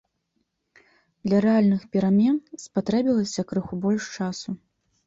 Для рэальных перамен спатрэбілася крыху больш часу.